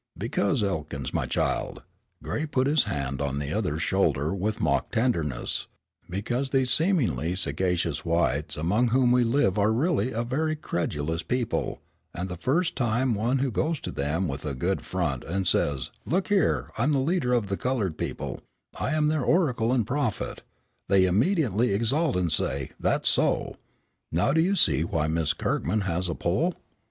"Because, Elkins, my child," Gray put his hand on the other's shoulder with mock tenderness, "because these seemingly sagacious whites among whom we live are really a very credulous people, and the first one who goes to them with a good front and says 'Look here, I am the leader of the colored people; I am their oracle and prophet,' they immediately exalt and say 'That's so.' Now do you see why Miss Kirkman has a pull?"